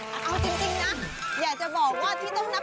พรุ่งนี้๕สิงหาคมจะเป็นของใคร